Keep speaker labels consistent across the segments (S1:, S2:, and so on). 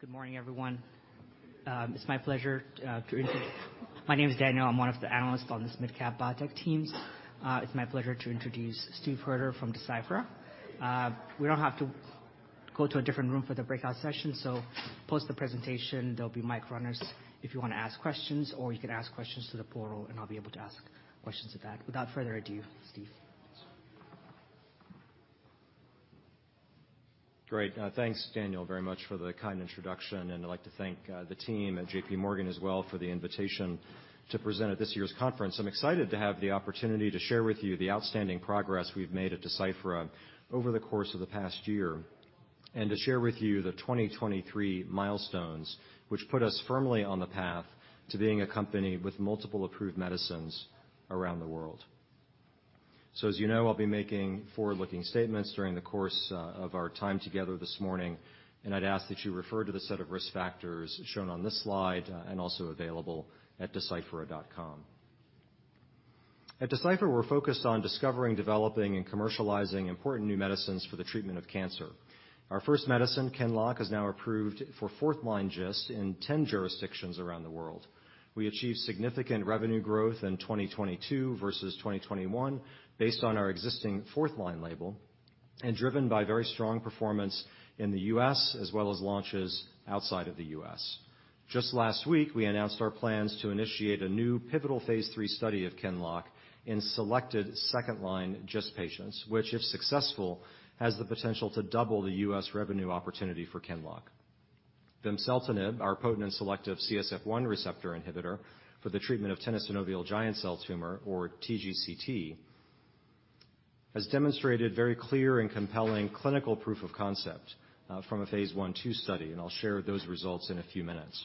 S1: Good morning, everyone. My name is Daniel, I'm one of the analysts on this mid-cap biotech teams. It's my pleasure to introduce Steve Hoerter from Deciphera. We don't have to go to a different room for the breakout session, so post the presentation, there'll be mic runners if you wanna ask questions, or you can ask questions through the portal, and I'll be able to ask questions of that. Without further ado, Steve.
S2: Great. Thanks, Daniel, very much for the kind introduction, and I'd like to thank the team at JPMorgan as well for the invitation to present at this year's conference. I'm excited to have the opportunity to share with you the outstanding progress we've made at Deciphera over the course of the past year, and to share with you the 2023 milestones, which put us firmly on the path to being a company with multiple approved medicines around the world. As you know, I'll be making forward-looking statements during the course of our time together this morning, and I'd ask that you refer to the set of risk factors shown on this slide, and also available at deciphera.com. At Deciphera, we're focused on discovering, developing, and commercializing important new medicines for the treatment of cancer. Our first medicine, QINLOCK, is now approved for 10 jurisdictions around the world. We achieved significant revenue growth in 2022 versus 2021 based on our existing fourth-line label and driven by very strong performance in the U.S. as well as launches outside of the U.S. Just last week, we announced our plans to initiate a new pivotal phase III study of QINLOCK in selected second-line GIST patients, which, if successful, has the potential to double the U.S. revenue opportunity for QINLOCK. Vimseltinib, our potent and selective CSF1 receptor inhibitor for the treatment of tenosynovial giant cell tumor or TGCT, has demonstrated very clear and compelling clinical proof of concept from a phase I/II study, I'll share those results in a few minutes.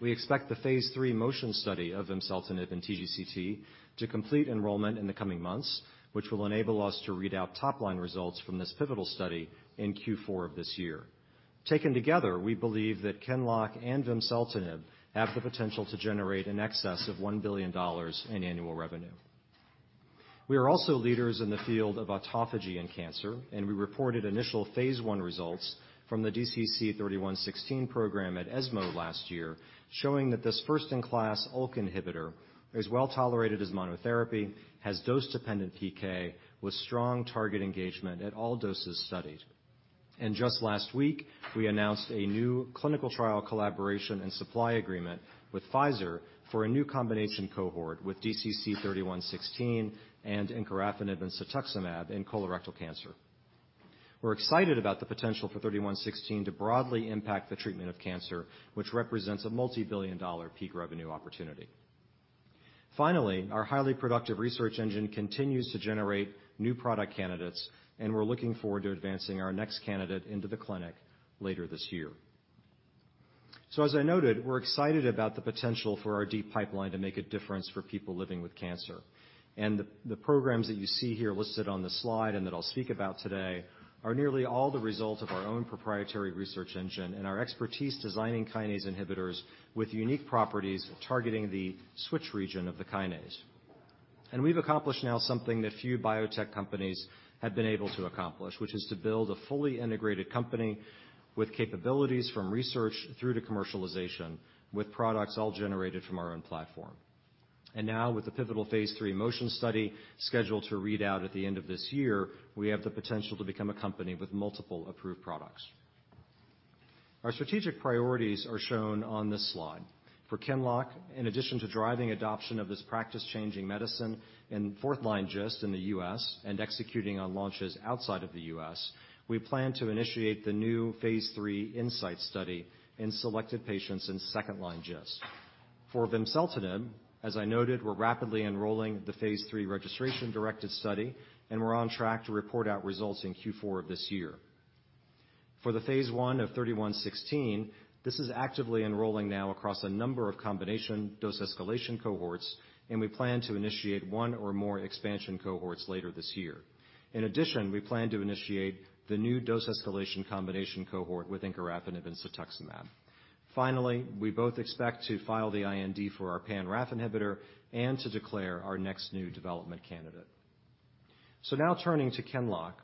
S2: We expect the phase III MOTION study of vimseltinib in TGCT to complete enrollment in the coming months, which will enable us to read out top-line results from this pivotal study in Q4 of this year. Taken together, we believe that QINLOCK and vimseltinib have the potential to generate in excess of $1 billion in annual revenue. We are also leaders in the field of autophagy in cancer, we reported initial phase I results from the DCC-3116 program at ESMO last year, showing that this first-in-class ULK inhibitor is well-tolerated as monotherapy, has dose-dependent PK, with strong target engagement at all doses studied. Just last week, we announced a new clinical trial collaboration and supply agreement with Pfizer for a new combination cohort with DCC-3116 and encorafenib and cetuximab in colorectal cancer. We're excited about the potential for DCC-3116 to broadly impact the treatment of cancer, which represents a multi-billion-dollar peak revenue opportunity. Our highly productive research engine continues to generate new product candidates. We're looking forward to advancing our next candidate into the clinic later this year. As I noted, we're excited about the potential for our deep pipeline to make a difference for people living with cancer. The programs that you see here listed on the slide and that I'll speak about today are nearly all the result of our own proprietary research engine and our expertise designing kinase inhibitors with unique properties targeting the switch region of the kinase. We've accomplished now something that few biotech companies have been able to accomplish, which is to build a fully integrated company with capabilities from research through to commercialization, with products all generated from our own platform. Now, with the pivotal phase III MOTION study scheduled to read out at the end of this year, we have the potential to become a company with multiple approved products. Our strategic priorities are shown on this slide. For QINLOCK, in addition to driving adoption of this practice-changing medicine in fourth-line GIST in the U.S. and executing on launches outside of the U.S., we plan to initiate the new phase III INSIGHT study in selected patients in second-line GIST. For vimseltinib, as I noted, we're rapidly enrolling the phase III registration-directed study, and we're on track to report out results in Q4 of this year. For the phase I of DCC-3116, this is actively enrolling now across a number of combination dose escalation cohorts, we plan to initiate one or more expansion cohorts later this year. In addition, we plan to initiate the new dose escalation combination cohort with encorafenib and cetuximab. Finally, we both expect to file the IND for our pan-RAF inhibitor and to declare our next new development candidate. Now turning to QINLOCK.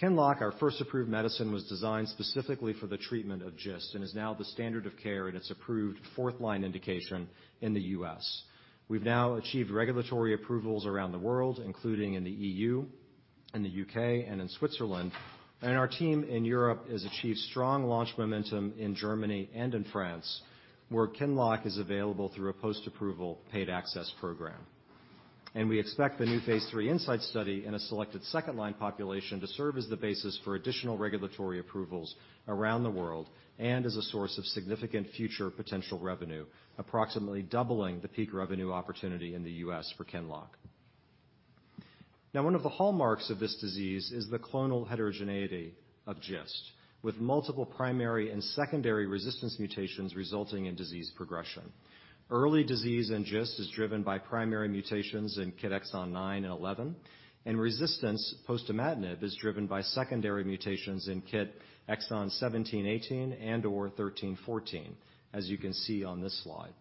S2: QINLOCK, our first approved medicine, was designed specifically for the treatment of GIST and is now the standard of care in its approved fourth-line indication in the U.S. We've now achieved regulatory approvals around the world, including in the E.U., in the U.K., and in Switzerland, our team in Europe has achieved strong launch momentum in Germany and in France, where QINLOCK is available through a post-approval paid access program. We expect the new phase III INSIGHT study in a selected second-line population to serve as the basis for additional regulatory approvals around the world and as a source of significant future potential revenue, approximately doubling the peak revenue opportunity in the U.S. for QINLOCK. Now, one of the hallmarks of this disease is the clonal heterogeneity of GIST, with multiple primary and secondary resistance mutations resulting in disease progression. Early disease in GIST is driven by primary mutations in KIT exon 9 and 11, and resistance post imatinib is driven by secondary mutations in KIT exon 17, 18 and/or 13, 14, as you can see on this slide.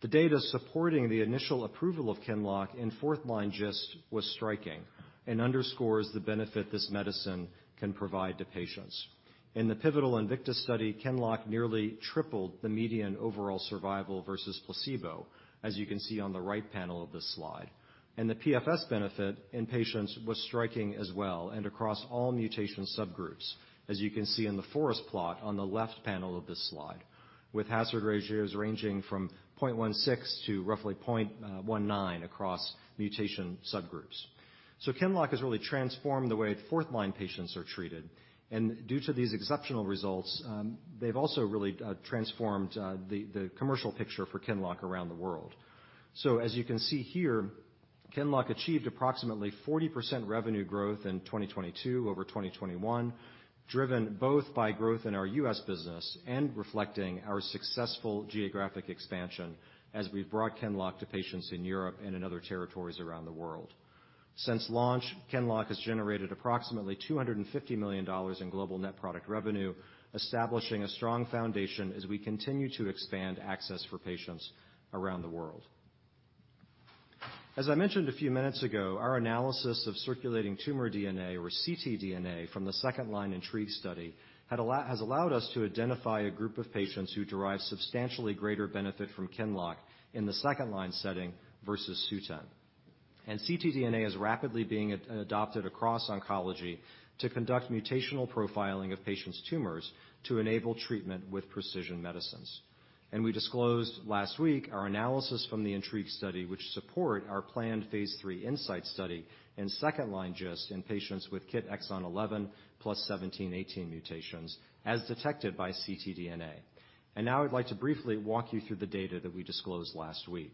S2: The data supporting the initial approval of QINLOCK in fourth-line GIST was striking and underscores the benefit this medicine can provide to patients. In the pivotal INVICTUS study, QINLOCK nearly tripled the median overall survival versus placebo, as you can see on the right panel of this slide. The PFS benefit in patients was striking as well and across all mutation subgroups, as you can see in the forest plot on the left panel of this slide, with hazard ratios ranging from 0.16 to roughly 0.19 across mutation subgroups. QINLOCK has really transformed the way fourth-line patients are treated, and due to these exceptional results, they've also really transformed the commercial picture for QINLOCK around the world. As you can see here, QINLOCK achieved approximately 40% revenue growth in 2022 over 2021, driven both by growth in our U.S. business and reflecting our successful geographic expansion as we've brought QINLOCK to patients in Europe and in other territories around the world. Since launch, QINLOCK has generated approximately $250 million in global net product revenue, establishing a strong foundation as we continue to expand access for patients around the world. As I mentioned a few minutes ago, our analysis of circulating tumor DNA or ctDNA from the second-line INTRIGUE study has allowed us to identify a group of patients who derive substantially greater benefit from QINLOCK in the second-line setting versus SUTENT. ctDNA is rapidly being adopted across oncology to conduct mutational profiling of patients' tumors to enable treatment with precision medicines. We disclosed last week our analysis from the INTRIGUE study, which support our planned phase III INSIGHT study in second-line GIST in patients with KIT exon 11 + 17/18 mutations as detected by ctDNA. Now I'd like to briefly walk you through the data that we disclosed last week.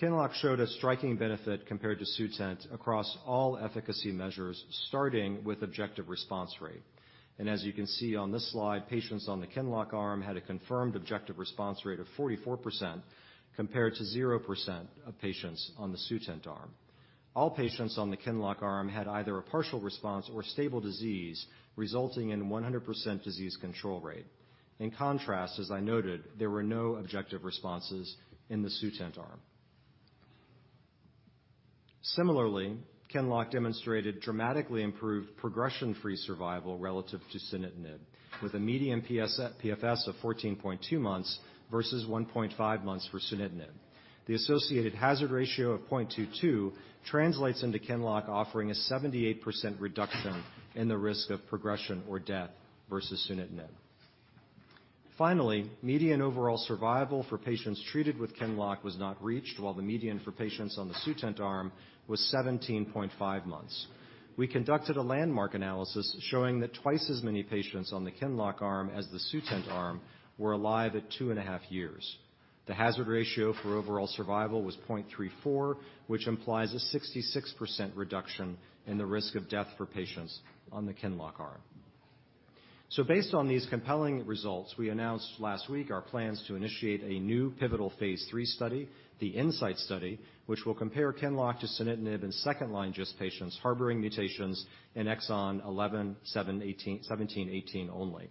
S2: QINLOCK showed a striking benefit compared to SUTENT across all efficacy measures, starting with objective response rate. As you can see on this slide, patients on the QINLOCK arm had a confirmed objective response rate of 44% compared to 0% of patients on the SUTENT arm. All patients on the QINLOCK arm had either a partial response or stable disease, resulting in 100% disease control rate. In contrast, as I noted, there were no objective responses in the SUTENT arm. Similarly, QINLOCK demonstrated dramatically improved progression-free survival relative to sunitinib, with a median PFS of 14.2 months versus 1.5 months for sunitinib. The associated hazard ratio of 0.22 translates into QINLOCK offering a 78% reduction in the risk of progression or death versus sunitinib. Finally, median overall survival for patients treated with QINLOCK was not reached, while the median for patients on the SUTENT arm was 17.5 months. We conducted a landmark analysis showing that twice as many patients on the QINLOCK arm as the SUTENT arm were alive at 2.5 years. The hazard ratio for overall survival was 0.34, which implies a 66% reduction in the risk of death for patients on the QINLOCK arm. Based on these compelling results, we announced last week our plans to initiate a new pivotal phase III study, the INSIGHT study, which will compare QINLOCK to sunitinib in second-line GIST patients harboring mutations in exon 11, 17/18 only.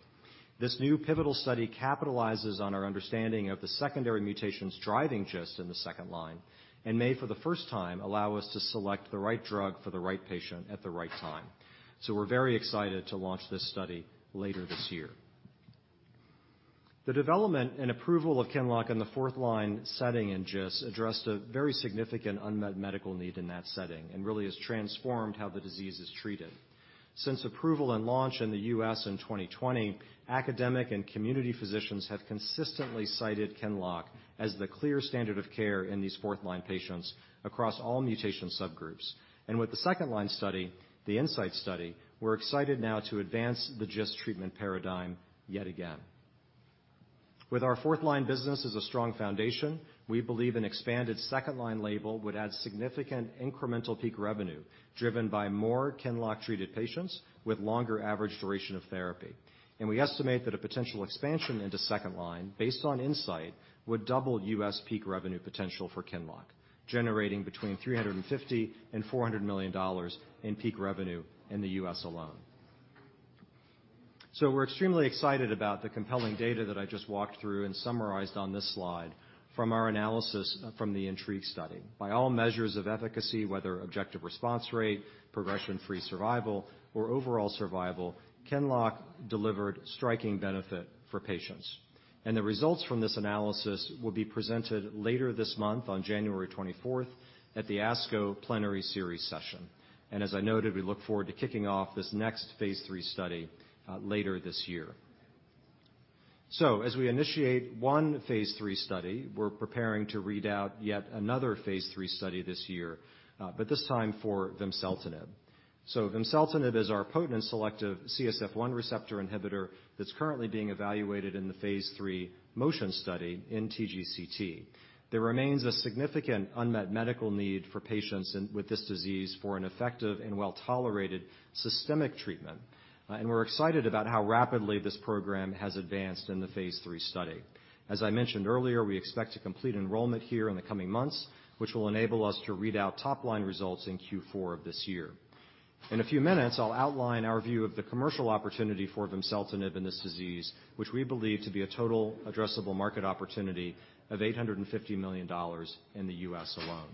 S2: This new pivotal study capitalizes on our understanding of the secondary mutations driving GIST in the second-line and may, for the first time, allow us to select the right drug for the right patient at the right time. We're very excited to launch this study later this year. The development and approval of QINLOCK in the fourth-line setting in GIST addressed a very significant unmet medical need in that setting and really has transformed how the disease is treated. Since approval and launch in the U.S. in 2020, academic and community physicians have consistently cited QINLOCK as the clear standard of care in these fourth-line patients across all mutation subgroups. With the second-line study, the INSIGHT study, we're excited now to advance the GIST treatment paradigm yet again. With our fourth-line business as a strong foundation, we believe an expanded second-line label would add significant incremental peak revenue, driven by more QINLOCK-treated patients with longer average duration of therapy. We estimate that a potential expansion into second-line based on INSIGHT would double U.S. peak revenue potential for QINLOCK, generating between $350 million-$400 million in peak revenue in the U.S. alone. We're extremely excited about the compelling data that I just walked through and summarized on this slide from our analysis from the INTRIGUE study. By all measures of efficacy, whether objective response rate, progression-free survival or overall survival, QINLOCK delivered striking benefit for patients. The results from this analysis will be presented later this month on January 24th at the ASCO Plenary Series session. As I noted, we look forward to kicking off this next phase III study later this year. As we initiate one phase III study, we're preparing to read out yet another phase III study this year, but this time for vimseltinib. Vimseltinib is our potent selective CSF1 receptor inhibitor that's currently being evaluated in the phase III MOTION study in TGCT. There remains a significant unmet medical need for patients with this disease for an effective and well-tolerated systemic treatment, we're excited about how rapidly this program has advanced in the phase III study. As I mentioned earlier, we expect to complete enrollment here in the coming months, which will enable us to read out top-line results in Q4 of this year. In a few minutes, I'll outline our view of the commercial opportunity for vimseltinib in this disease, which we believe to be a total addressable market opportunity of $850 million in the U.S. alone.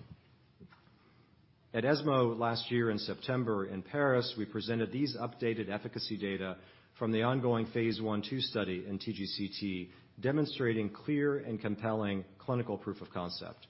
S2: At ESMO last year in September in Paris, we presented these updated efficacy data from the ongoing phase I/II study in TGCT, demonstrating clear and compelling clinical proof of concept.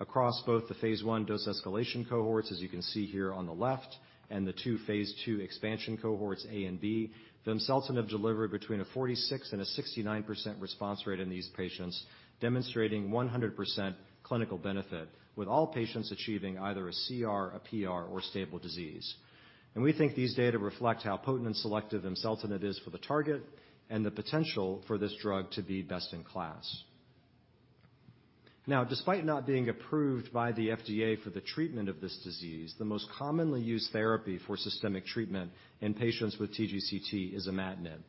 S2: Across both the phase I dose escalation cohorts, as you can see here on the left, and the two phase II expansion cohorts A and B, vimseltinib delivered between a 46%-69% response rate in these patients, demonstrating 100% clinical benefit, with all patients achieving either a CR, a PR, or stable disease. We think these data reflect how potent and selective vimseltinib is for the target and the potential for this drug to be best in class. Despite not being approved by the FDA for the treatment of this disease, the most commonly used therapy for systemic treatment in patients with TGCT is imatinib.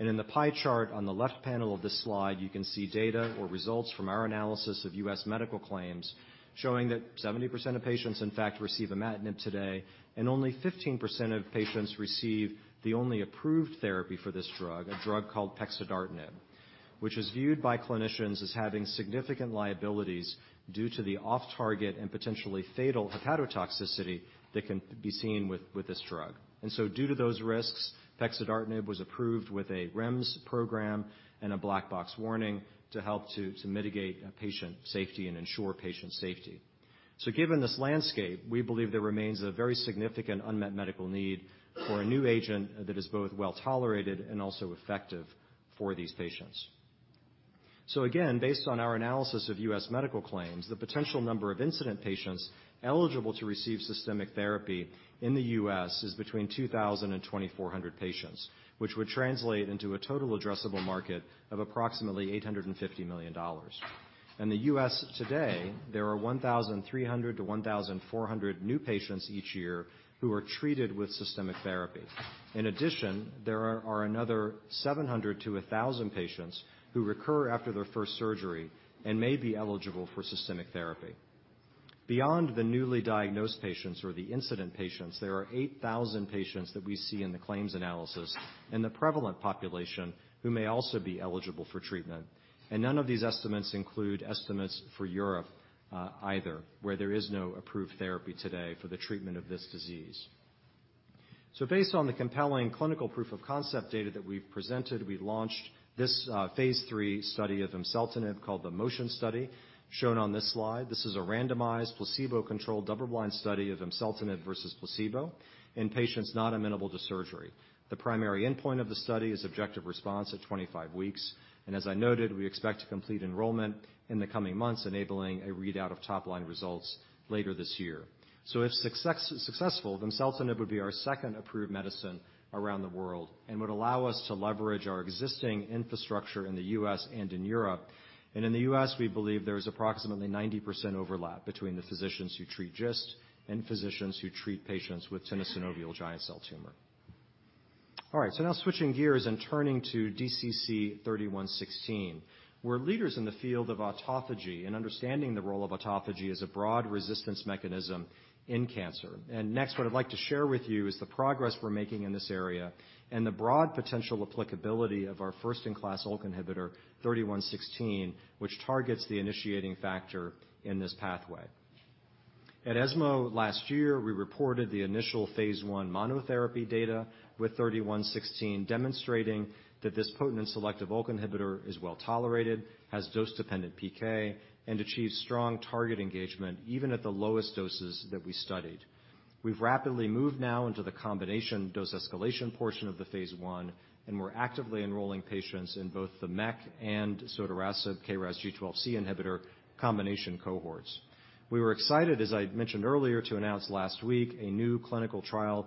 S2: In the pie chart on the left panel of this slide, you can see data or results from our analysis of U.S. medical claims showing that 70% of patients in fact receive imatinib today, and only 15% of patients receive the only approved therapy for this drug, a drug called pexidartinib, which is viewed by clinicians as having significant liabilities due to the off-target and potentially fatal hepatotoxicity that can be seen with this drug. Due to those risks, pexidartinib was approved with a REMS program and a black box warning to help to mitigate patient safety and ensure patient safety. Given this landscape, we believe there remains a very significant unmet medical need for a new agent that is both well-tolerated and also effective for these patients. Again, based on our analysis of U.S. medical claims, the potential number of incident patients eligible to receive systemic therapy in the U.S. is between 2,000 and 2,400 patients, which would translate into a total addressable market of approximately $850 million. In the U.S. today, there are 1,300 to 1,400 new patients each year who are treated with systemic therapy. In addition, there are another 700 to 1,000 patients who recur after their first surgery and may be eligible for systemic therapy. Beyond the newly diagnosed patients or the incident patients, there are 8,000 patients that we see in the claims analysis in the prevalent population who may also be eligible for treatment. None of these estimates include estimates for Europe either, where there is no approved therapy today for the treatment of this disease. Based on the compelling clinical proof of concept data that we've presented, we launched this phase III study of vimseltinib called the MOTION Study, shown on this slide. This is a randomized placebo-controlled double-blind study of vimseltinib versus placebo in patients not amenable to surgery. The primary endpoint of the study is objective response at 25 weeks. As I noted, we expect to complete enrollment in the coming months, enabling a readout of top-line results later this year. If successful, vimseltinib would be our second approved medicine around the world and would allow us to leverage our existing infrastructure in the U.S. and in Europe. In the U.S., we believe there is approximately 90% overlap between the physicians who treat GIST and physicians who treat patients with tenosynovial giant cell tumor. All right, now switching gears and turning to DCC-3116. We're leaders in the field of autophagy and understanding the role of autophagy as a broad resistance mechanism in cancer. Next, what I'd like to share with you is the progress we're making in this area and the broad potential applicability of our first-in-class ULK inhibitor, 3116, which targets the initiating factor in this pathway. At ESMO last year, we reported the initial phase I monotherapy data with 3116 demonstrating that this potent and selective ULK inhibitor is well-tolerated, has dose-dependent PK, and achieves strong target engagement even at the lowest doses that we studied. We've rapidly moved now into the combination dose escalation portion of the phase I. We're actively enrolling patients in both the MEK and sotorasib KRAS G12C inhibitor combination cohorts. We were excited, as I mentioned earlier, to announce last week a new clinical trial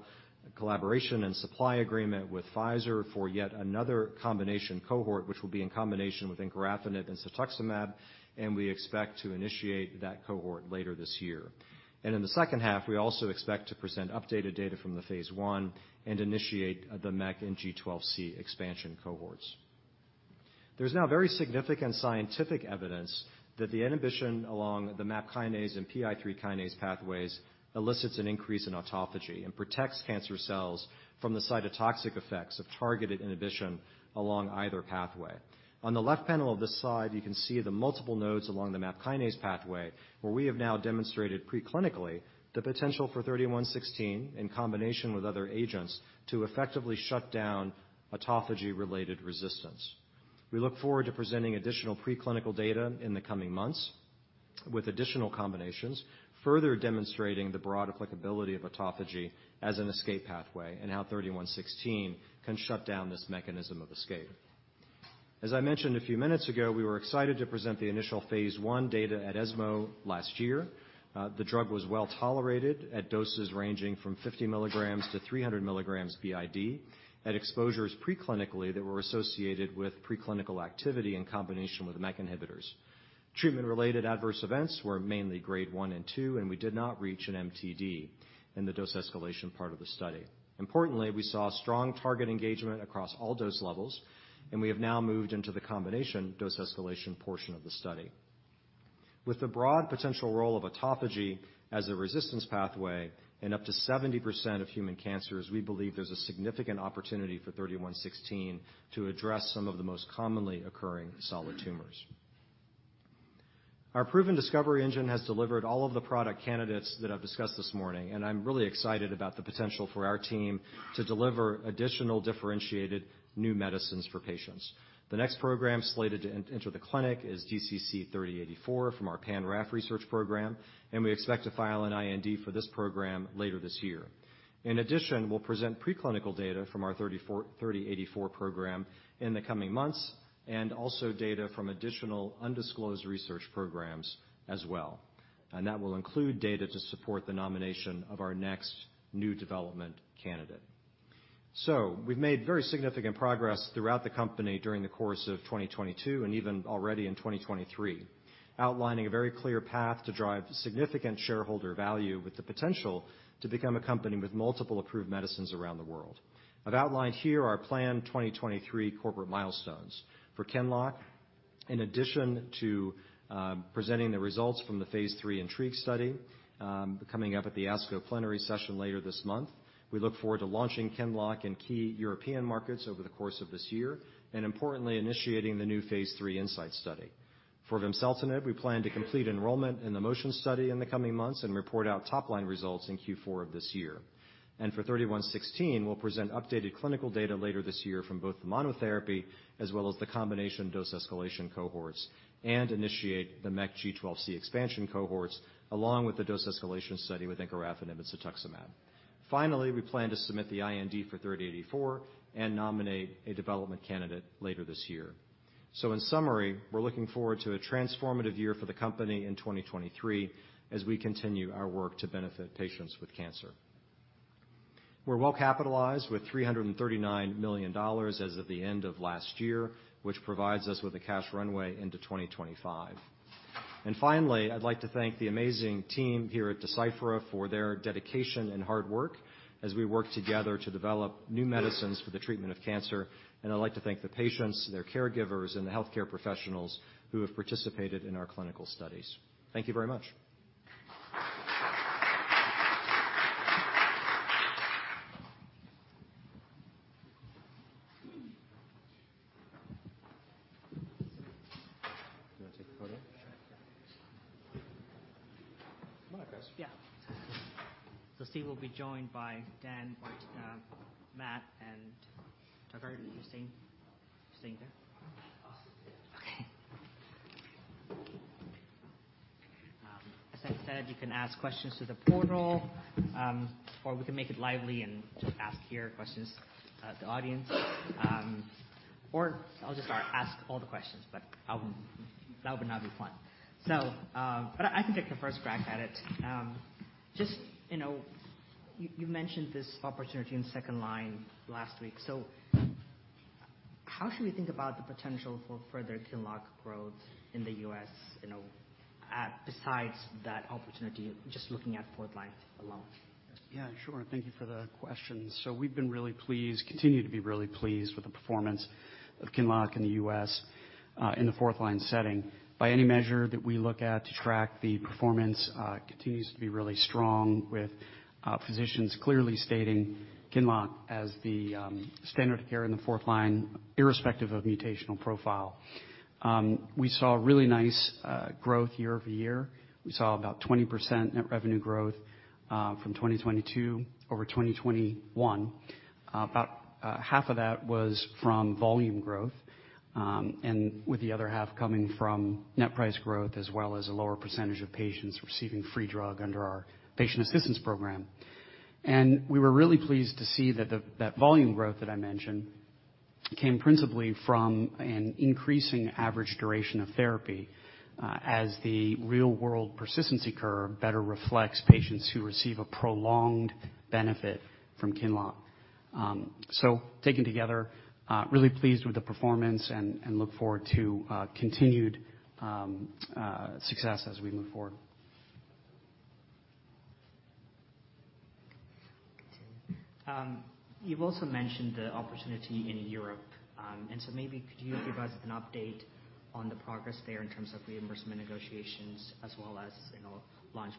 S2: collaboration and supply agreement with Pfizer for yet another combination cohort, which will be in combination with encorafenib and cetuximab. We expect to initiate that cohort later this year. In the second half, we also expect to present updated data from the phase I and initiate the MEK and G12C expansion cohorts. There's now very significant scientific evidence that the inhibition along the MAP kinase and PI3 kinase pathways elicits an increase in autophagy and protects cancer cells from the cytotoxic effects of targeted inhibition along either pathway. On the left panel of this slide, you can see the multiple nodes along the MAP kinase pathway, where we have now demonstrated preclinically the potential for 3116 in combination with other agents to effectively shut down autophagy-related resistance. We look forward to presenting additional preclinical data in the coming months with additional combinations, further demonstrating the broad applicability of autophagy as an escape pathway and how 3116 can shut down this mechanism of escape. As I mentioned a few minutes ago, we were excited to present the initial phase I data at ESMO last year. The drug was well-tolerated at doses ranging from 50 mg to 300 mg BID at exposures preclinically that were associated with preclinical activity in combination with MEK inhibitors. Treatment-related adverse events were mainly grade 1 and 2. We did not reach an MTD in the dose escalation part of the study. Importantly, we saw strong target engagement across all dose levels. We have now moved into the combination dose escalation portion of the study. With the broad potential role of autophagy as a resistance pathway in up to 70% of human cancers, we believe there's a significant opportunity for DCC-3116 to address some of the most commonly occurring solid tumors. Our proven discovery engine has delivered all of the product candidates that I've discussed this morning. I'm really excited about the potential for our team to deliver additional differentiated new medicines for patients. The next program slated to enter the clinic is DCC-3084 from our pan-RAF research program. We expect to file an IND for this program later this year. In addition, we'll present preclinical data from our DCC-3084 program in the coming months, also data from additional undisclosed research programs as well. That will include data to support the nomination of our next new development candidate. We've made very significant progress throughout the company during the course of 2022 and even already in 2023, outlining a very clear path to drive significant shareholder value with the potential to become a company with multiple approved medicines around the world. I've outlined here our planned 2023 corporate milestones for QINLOCK. In addition to presenting the results from the phase III INTRIGUE study coming up at the ASCO Plenary Session later this month, we look forward to launching QINLOCK in key European markets over the course of this year, and importantly, initiating the new phase III INSIGHT study. For vimseltinib, we plan to complete enrollment in the MOTION study in the coming months and report out top line results in Q4 of this year. For 3116, we'll present updated clinical data later this year from both the monotherapy as well as the combination dose escalation cohorts, and initiate the MEK G12C expansion cohorts, along with the dose escalation study with encorafenib and cetuximab. Finally, we plan to submit the IND for 3084 and nominate a development candidate later this year. In summary, we're looking forward to a transformative year for the company in 2023 as we continue our work to benefit patients with cancer. We're well capitalized with $339 million as of the end of last year, which provides us with a cash runway into 2025. Finally, I'd like to thank the amazing team here at Deciphera for their dedication and hard work as we work together to develop new medicines for the treatment of cancer. I'd like to thank the patients, their caregivers, and the healthcare professionals who have participated in our clinical studies. Thank you very much. You wanna take the photo?
S1: Sure.
S2: Come on, guys.
S1: Yeah. Steve will be joined by Dan, Bart, Matt and Tucker. Are you staying there? Okay. As I said, you can ask questions through the portal, or we can make it lively and just ask here questions, the audience. I'll just start, ask all the questions, but that would not be fun. I can take the first crack at it. Just, you know, you mentioned this opportunity in second-line last week. How should we think about the potential for further QINLOCK growth in the U.S., you know, besides that opportunity, just looking at fourth-line alone?
S2: Yeah, sure. Thank you for the question. We've been really pleased, continue to be really pleased with the performance of QINLOCK in the U.S., in the fourth-line setting. By any measure that we look at to track the performance, continues to be really strong with physicians clearly stating QINLOCK as the standard of care in the fourth-line, irrespective of mutational profile. We saw really nice growth year-over-year. We saw about 20% net revenue growth from 2022 over 2021. About 1/2 of that was from volume growth, and with the other half coming from net price growth, as well as a lower percentage of patients receiving free drug under our patient assistance program. We were really pleased to see that volume growth that I mentioned came principally from an increasing average duration of therapy, as the real world persistency curve better reflects patients who receive a prolonged benefit from QINLOCK. Taken together, really pleased with the performance and look forward to continued success as we move forward.
S1: To continue, you've also mentioned the opportunity in Europe. Maybe could you give us an update on the progress there in terms of reimbursement negotiations as well as, you know, launch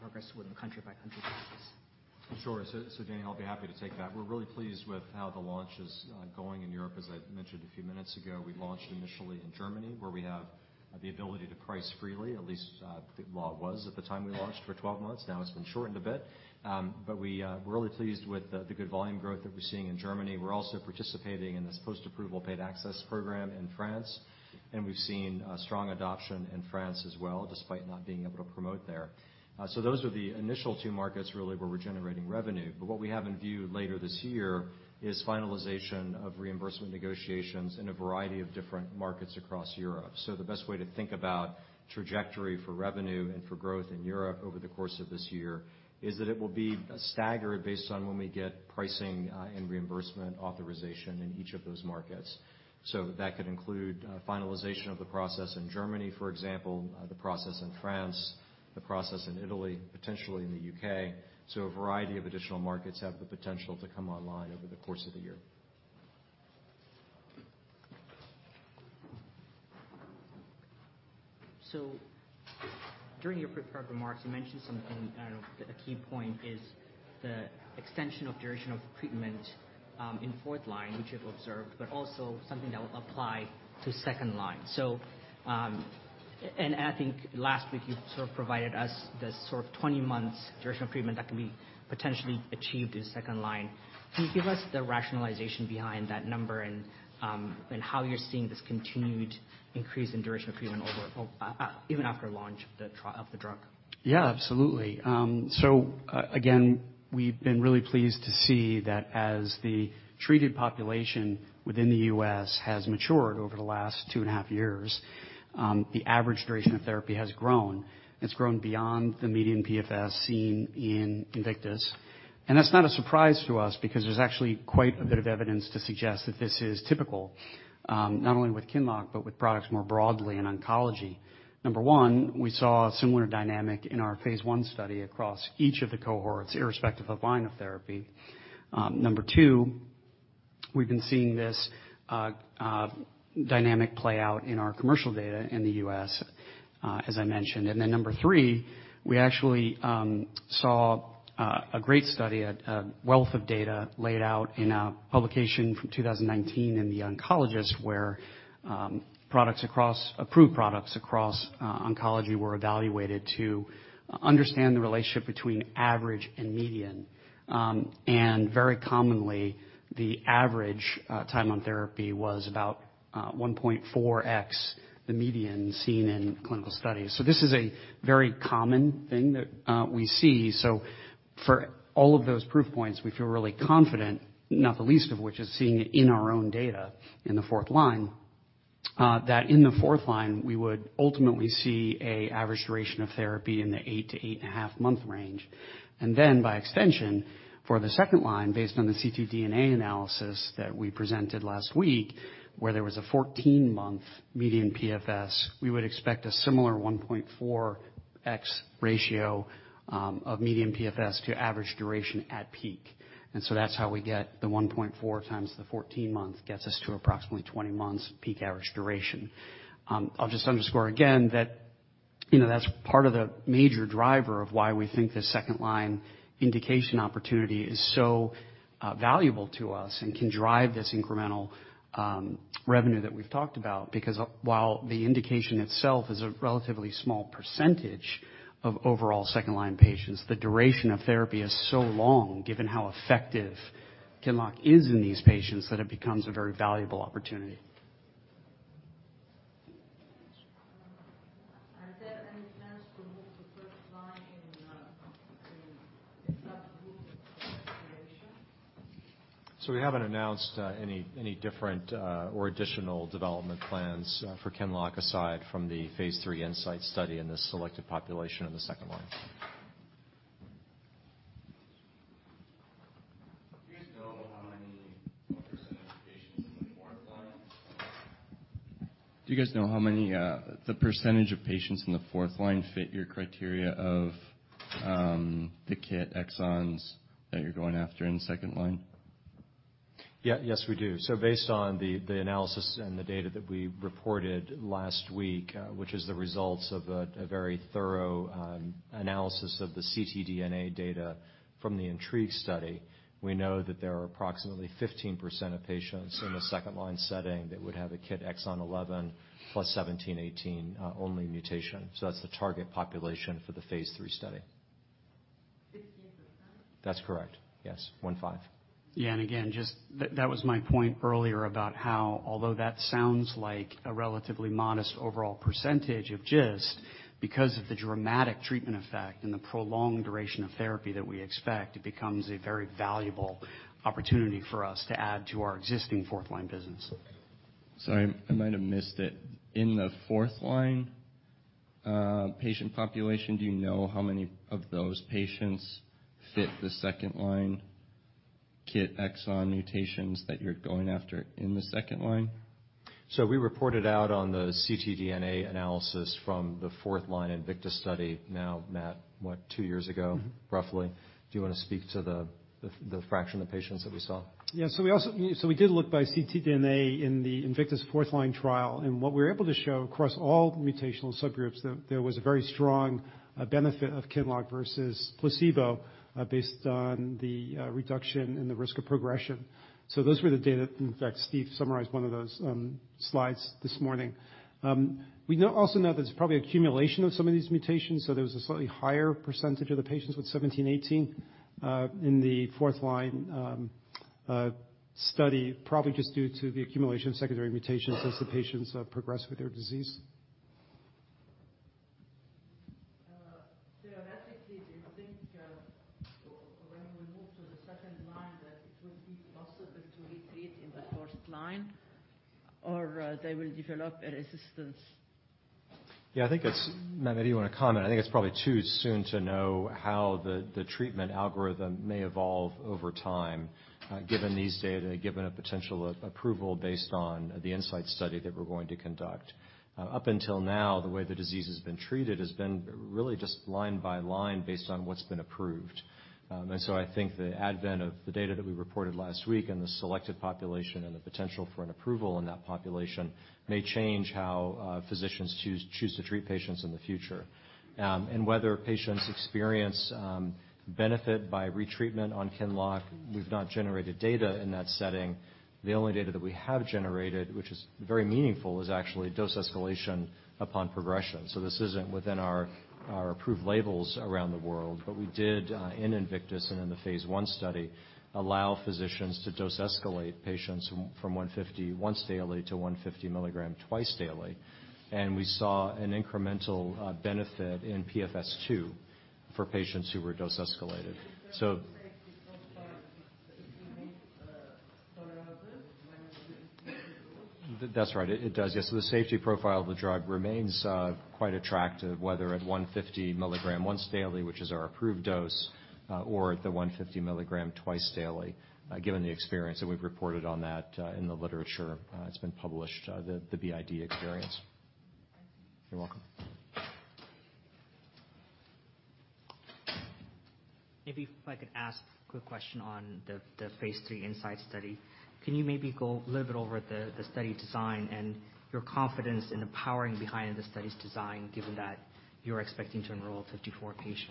S1: progress with the country by country basis?
S3: Sure. Danny, I'll be happy to take that. We're really pleased with how the launch is going in Europe. As I mentioned a few minutes ago, we launched initially in Germany, where we have the ability to price freely, at least it was at the time we launched for 12 months. Now it's been shortened a bit. We're really pleased with the good volume growth that we're seeing in Germany. We're also participating in this post-approval paid access program in France, we've seen a strong adoption in France as well, despite not being able to promote there. Those are the initial two markets really where we're generating revenue. What we have in view later this year is finalization of reimbursement negotiations in a variety of different markets across Europe. The best way to think about trajectory for revenue and for growth in Europe over the course of this year is that it will be staggered based on when we get pricing and reimbursement authorization in each of those markets. That could include finalization of the process in Germany, for example, the process in France, the process in Italy, potentially in the U.K. A variety of additional markets have the potential to come online over the course of the year.
S1: During your prepared remarks, you mentioned something, I don't know, a key point is the extension of duration of treatment in fourth-line, which you've observed, but also something that will apply to second-line. I think last week you sort of provided us the sort of 20 months duration of treatment that can be potentially achieved in second-line. Can you give us the rationalization behind that number and how you're seeing this continued increase in duration of treatment over even after launch of the drug?
S2: Yeah, absolutely. So again, we've been really pleased to see that as the treated population within the U.S. has matured over the last 2.5 years, the average duration of therapy has grown. It's grown beyond the median PFS seen in INVICTUS. That's not a surprise to us because there's actually quite a bit of evidence to suggest that this is typical, not only with QINLOCK but with products more broadly in oncology. Number one, we saw a similar dynamic in our phase I study across each of the cohorts, irrespective of line of therapy. Number two, we've been seeing this dynamic play out in our commercial data in the U.S., as I mentioned. Number 3, we actually saw a great study, a wealth of data laid out in a publication from 2019 in The Oncologist, where approved products across oncology were evaluated to understand the relationship between average and median. Very commonly, the average time on therapy was about 1.4x the median seen in clinical studies. This is a very common thing that we see. For all of those proof points, we feel really confident, not the least of which is seeing it in our own data in the fourth-line, that in the fourth-line, we would ultimately see a average duration of therapy in the 8 to 8.5 month range. By extension, for the second-line, based on the ctDNA analysis that we presented last week, where there was a 14-month median PFS, we would expect a similar 1.4x ratio of median PFS to average duration at peak. That's how we get the 1.4x, the 14 months gets us to approximately 20 months peak average duration. I'll just underscore again that, you know, that's part of the major driver of why we think the second-line indication opportunity is so valuable to us and can drive this incremental revenue that we've talked about. While the indication itself is a relatively small percentage of overall second-line patients, the duration of therapy is so long, given how effective QINLOCK is in these patients, that it becomes a very valuable opportunity.
S4: Are there any plans to move to first line in that group of population?
S3: We haven't announced any different or additional development plans for QINLOCK, aside from the phase III INSIGHT study in this selected population in the second-line.
S5: Do you guys know how many the percentage of patients in the fourth-line fit your criteria of the KIT exons that you're going after in the second-line?
S3: Yes, we do. Based on the analysis and the data that we reported last week, which is the results of a very thorough analysis of the ctDNA data from the INTRIGUE study, we know that there are approximately 15% of patients in a second-line setting that would have a KIT exon 11 + 17/18 only mutation. That's the target population for the phase III study.
S5: 15%?
S3: That's correct. Yes. 15.
S2: Yeah. Again, just that was my point earlier about how although that sounds like a relatively modest overall percentage of GIST, because of the dramatic treatment effect and the prolonged duration of therapy that we expect, it becomes a very valuable opportunity for us to add to our existing fourth-line business.
S5: Sorry, I might have missed it. In the fourth-line, patient population, do you know how many of those patients fit the second-line KIT exon mutations that you're going after in the second-line?
S2: We reported out on the ctDNA analysis from the fourth-line INVICTUS study now, Matt, what, two years ago-
S6: Mm-hmm....
S2: roughly. Do you wanna speak to the fraction of patients that we saw?
S6: Yeah. We did look by ctDNA in the INVICTUS fourth-line trial, and what we were able to show across all mutational subgroups, that there was a very strong benefit of QINLOCK versus placebo, based on the reduction in the risk of progression. Those were the data. In fact, Steve summarized one of those slides this morning. We also know that it's probably accumulation of some of these mutations, so there was a slightly higher percentage of the patients with 17/18 in the fourth-line study, probably just due to the accumulation of secondary mutations as the patients progress with their disease.
S4: Theoretically, do you think, when we move to the second-line, that it will be possible to retreat in the fourth-line or, they will develop a resistance?
S2: Yeah, I think it's, Matt, maybe you wanna comment. I think it's probably too soon to know how the treatment algorithm may evolve over time, given these data, given a potential approval based on the INSIGHT study that we're going to conduct. Up until now, the way the disease has been treated has been really just line by line based on what's been approved. I think the advent of the data that we reported last week and the selected population and the potential for an approval in that population may change how physicians choose to treat patients in the future. Whether patients experience benefit by retreatment on QINLOCK, we've not generated data in that setting. The only data that we have generated, which is very meaningful, is actually dose escalation upon progression. This isn't within our approved labels around the world, but we did in INVICTUS and in the phase one study, allow physicians to dose escalate patients from 150 once daily to 150 mg twice daily. We saw an incremental benefit in PFS2 for patients who were dose escalated. That's right. It does. Yes. The safety profile of the drug remains quite attractive, whether at 150 mg once daily, which is our approved dose, or at the 150 mg twice daily, given the experience, and we've reported on that in the literature, it's been published, the BID experience. You're welcome.
S1: Maybe if I could ask a quick question on the phase III INSIGHT study. Can you maybe go a little bit over the study design and your confidence in the powering behind the study's design, given that you're expecting to enroll 54 patients?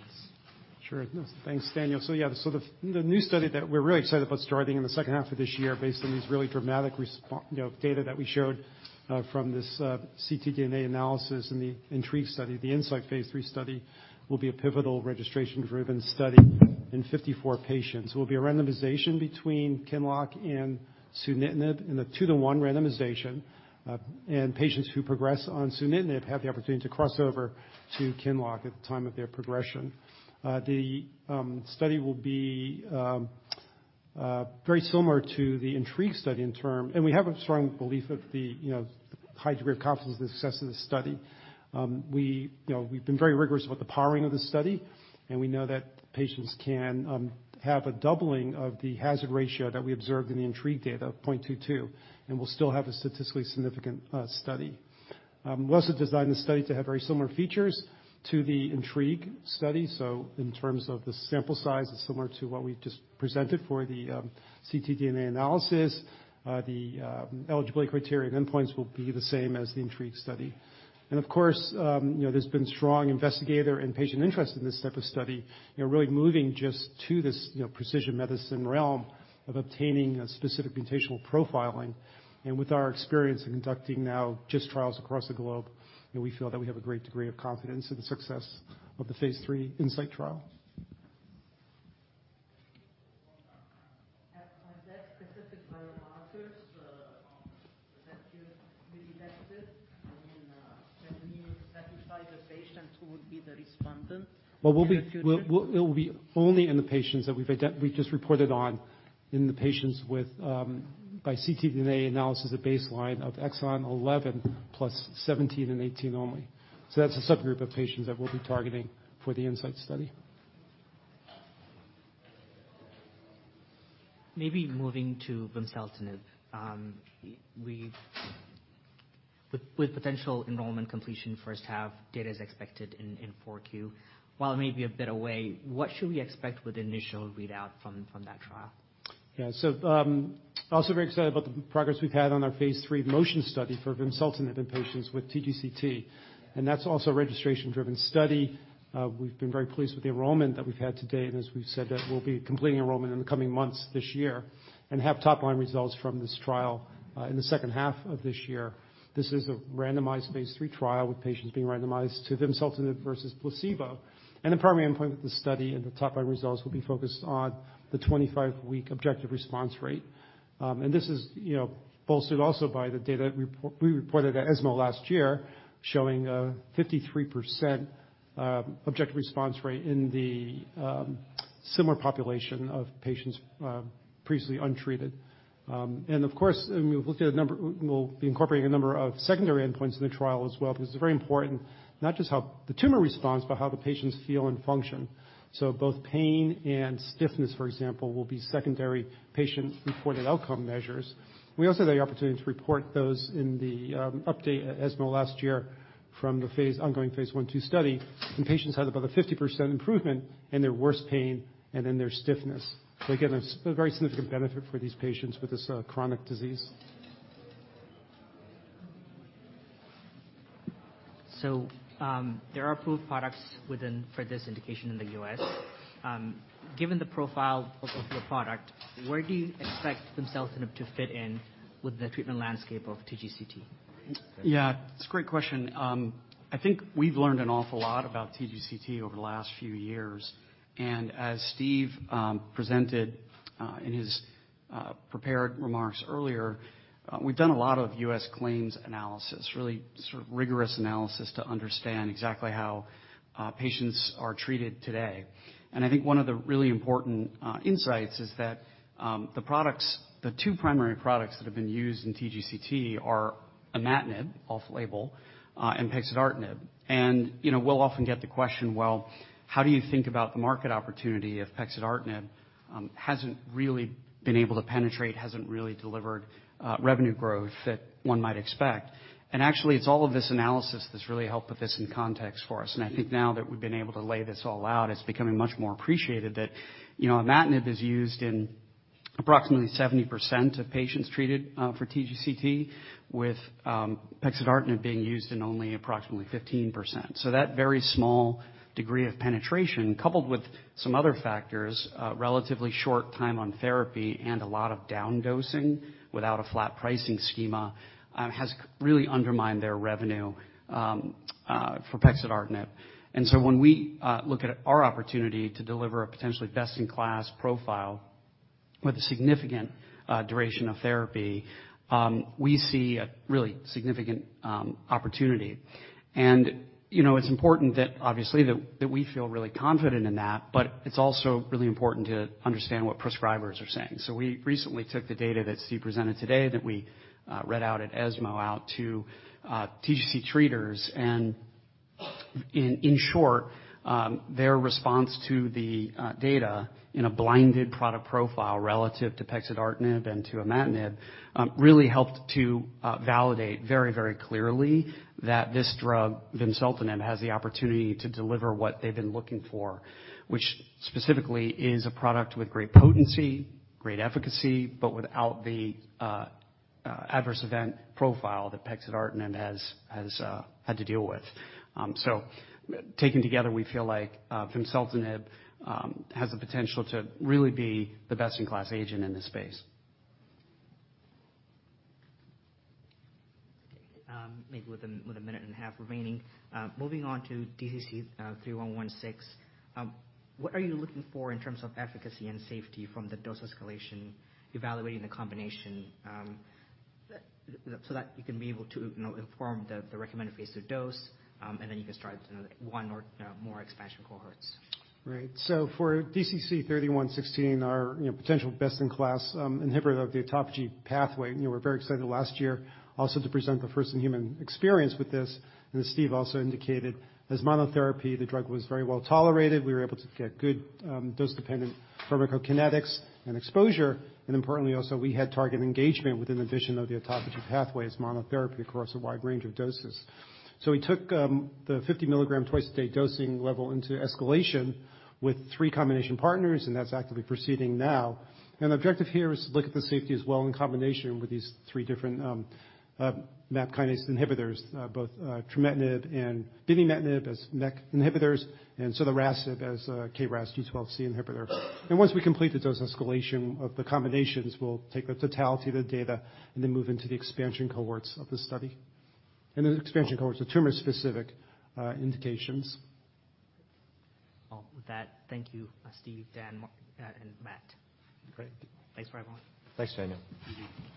S6: Sure. Thanks, Daniel. The new study that we're really excited about starting in the second half of this year based on these really dramatic you know, data that we showed from this ctDNA analysis in the INTRIGUE study, the INSIGHT phase III study, will be a pivotal registration-driven study in 54 patients. It will be a randomization between QINLOCK and Sunitinib in a two-to-one randomization. Patients who progress on Sunitinib have the opportunity to cross over to QINLOCK at the time of their progression. The study will be very similar to the INTRIGUE study. We have a strong belief of the, you know, high degree of confidence in the success of this study. We, you know, we've been very rigorous about the powering of the study, and we know that patients can have a doubling of the hazard ratio that we observed in the INTRIGUE data of 0.22, and we'll still have a statistically significant study. We also designed the study to have very similar features to the INTRIGUE study. In terms of the sample size, it's similar to what we just presented for the ctDNA analysis. The eligibility criteria and endpoints will be the same as the INTRIGUE study. Of course, you know, there's been strong investigator and patient interest in this type of study, you know, really moving just to this, you know, precision medicine realm of obtaining a specific mutational profiling. With our experience in conducting now just trials across the globe, you know, we feel that we have a great degree of confidence in the success of the phase III INSIGHT trial.
S1: Maybe moving to vimseltinib, with potential enrollment completion first half, data is expected in 4Q. While it may be a bit away, what should we expect with initial readout from that trial?
S6: Also very excited about the progress we've had on our phase III MOTION study for vimseltinib in patients with TGCT, and that's also a registration-driven study. We've been very pleased with the enrollment that we've had to date, and as we've said, that we'll be completing enrollment in the coming months this year and have top-line results from this trial in the second half of this year. This is a randomized phase III trial with patients being randomized to vimseltinib versus placebo. The primary endpoint of the study and the top-line results will be focused on the 25-week objective response rate. This is, you know, bolstered also by the data we reported at ESMO last year, showing a 53% objective response rate in the similar population of patients previously untreated. Of course, we'll be incorporating a number of secondary endpoints in the trial as well, because it's very important not just how the tumor responds, but how the patients feel and function. Both pain and stiffness, for example, will be secondary patient-reported outcome measures. We also had the opportunity to report those in the update at ESMO last year from the ongoing phase I/II study, and patients had about a 50% improvement in their worst pain and in their stiffness. Again, a very significant benefit for these patients with this chronic disease.
S1: There are approved products for this indication in the U.S. Given the profile of your product, where do you expect vimseltinib to fit in with the treatment landscape of TGCT?
S6: Yeah, it's a great question. I think we've learned an awful lot about TGCT over the last few years. As Steve presented in his prepared remarks earlier, we've done a lot of U.S. claims analysis, really sort of rigorous analysis to understand exactly how patients are treated today. I think one of the really important insights is that the products, the two primary products that have been used in TGCT are imatinib, off-label, and pexidartinib. You know, we'll often get the question, "Well, how do you think about the market opportunity if pexidartinib hasn't really been able to penetrate, hasn't really delivered revenue growth that one might expect?" Actually, it's all of this analysis that's really helped put this in context for us. I think now that we've been able to lay this all out, it's becoming much more appreciated that, you know, imatinib is used. Approximately 70% of patients treated for TGCT with pexidartinib being used in only approximately 15%. That very small degree of penetration, coupled with some other factors, relatively short time on therapy and a lot of down dosing without a flat pricing schema, has really undermined their revenue for pexidartinib. When we look at our opportunity to deliver a potentially best in class profile with a significant duration of therapy, we see a really significant opportunity. You know, it's important that obviously that we feel really confident in that, but it's also really important to understand what prescribers are saying. We recently took the data that Steve presented today that we read out at ESMO out to TGCT treaters. In short, their response to the data in a blinded product profile relative to pexidartinib and to imatinib really helped to validate very, very clearly that this drug, vimseltinib, has the opportunity to deliver what they've been looking for, which specifically is a product with great potency, great efficacy, but without the adverse event profile that pexidartinib has had to deal with. Taking together, we feel like vimseltinib has the potential to really be the best in class agent in this space.
S1: Okay. Maybe with a, with a minute and a half remaining. Moving on to DCC-3116, what are you looking for in terms of efficacy and safety from the dose escalation evaluating the combination, so that you can be able to, you know, inform the recommended phase II dose, and then you can start one or more expansion cohorts?
S6: Right. For DCC-3116, our, you know, potential best in class inhibitor of the autophagy pathway. You know, we're very excited last year also to present the first in-human experience with this. As Steve also indicated, as monotherapy, the drug was very well tolerated. We were able to get good dose dependent pharmacokinetics and exposure. Importantly, also we had target engagement with inhibition of the autophagy pathway as monotherapy across a wide range of doses. We took the 50 mg twice a day dosing level into escalation with three combination partners, and that's actively proceeding now. The objective here is to look at the safety as well in combination with these three different MAP kinase inhibitors, both trametinib and binimetinib as MEK inhibitors and sotorasib as a KRAS G12C inhibitor. Once we complete the dose escalation of the combinations, we'll take the totality of the data and then move into the expansion cohorts of the study. The expansion cohorts are tumor-specific indications.
S1: Well, with that, thank you, Steve, Dan, and Matt.
S2: Great.
S6: Thanks, everyone.
S3: Thanks, Daniel.
S1: Mm-hmm.